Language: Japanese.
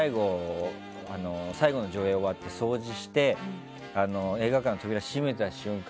最後の上映が終わって掃除して映画館の扉を閉めた瞬間